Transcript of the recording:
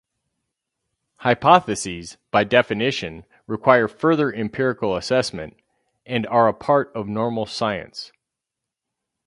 Hypotheses, by definition, require further empirical assessment, and are a part of normal science.